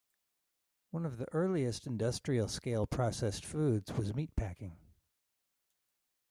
One of the earliest industrial-scale processed foods was meatpacking.